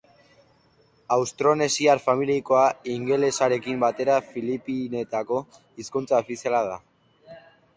Austronesiar familiakoa, ingelesarekin batera Filipinetako hizkuntza ofiziala da.